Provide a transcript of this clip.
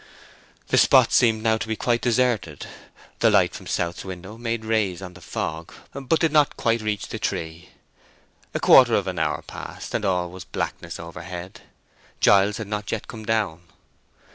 The spot seemed now to be quite deserted. The light from South's window made rays on the fog, but did not reach the tree. A quarter of an hour passed, and all was blackness overhead. Giles had not yet come down.